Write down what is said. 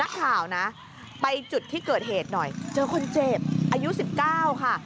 ข่าวนะไปจุดที่เกิดเหตุหน่อยเจอคนเจ็บอายุ๑๙ค่ะ